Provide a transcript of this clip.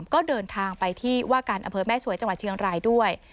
ก็เดินทางไปที่ว่าการอำเภอแม่สวยจังหวัดเชียงรายด้วย